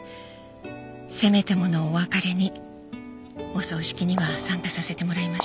せめてものお別れにお葬式には参加させてもらいました。